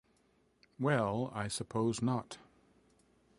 Well, I suppose not.